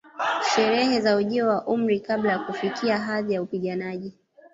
Sherehe za ujio wa umri kabla ya kufikia hadhi ya upiganaji